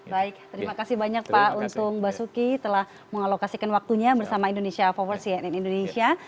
baik terima kasih banyak pak untung basuki telah mengalokasikan waktunya bersama indonesia forward cnn indonesia